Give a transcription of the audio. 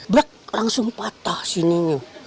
bek langsung patah sininya